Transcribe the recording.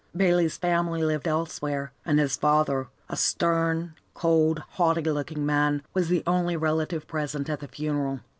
Bayley's family lived elsewhere, and his father, a stern, cold, haughty looking man, was the only relative present at the funeral.